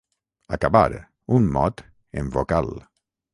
Acabar, un mot, en vocal.